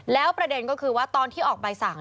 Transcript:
แล้วประเด็นก็คือว่าตอนที่ออกใบสั่ง